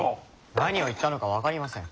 何を言ったのか分かりません。